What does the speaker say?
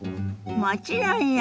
もちろんよ！